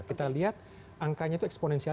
kita lihat angkanya itu eksponensial